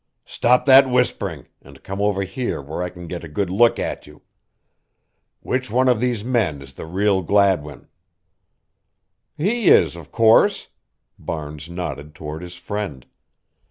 "Stop that whispering, and come over here where I can get a good look at you. Which one of these men is the real Gladwin?" "He is, of course!" Barnes nodded toward his friend.